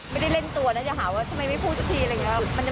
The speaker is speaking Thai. ไม่ได้เล่นตัวนะอย่าหาว่าทำไมไม่พูดสักทีอะไรอย่างนี้